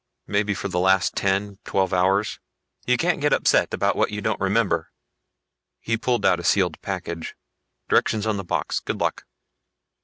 Maybe for the last ten, twelve hours. You can't get upset about what you don't remember." He pulled out a sealed package. "Directions on the box. Good luck."